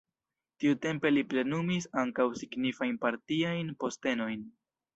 Tiutempe li plenumis ankaŭ signifajn partiajn postenojn.